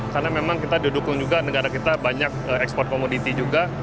karena memang kita didukung juga negara kita banyak ekspor komoditi juga